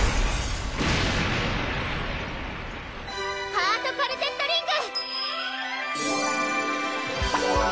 ハートカルテットリング！